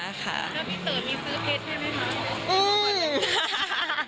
แล้วพี่เต๋อมีซื้อเพชรใช่ไหมคะ